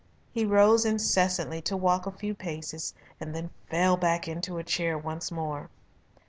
He rose incessantly to walk a few paces and then fell back into a chair once more.